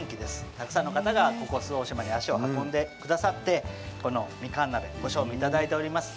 たくさんの方が、ここ周防大島に足を運んでくださってこのみかん鍋ご賞味いただいております。